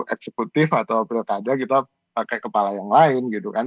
eksekutif atau pilkada kita pakai kepala yang lain gitu kan